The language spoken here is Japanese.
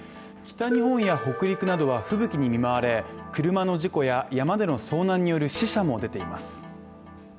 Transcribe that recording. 北日本や北陸などは吹雪に見舞われ、車の事故や山での遭難による死者も出ています。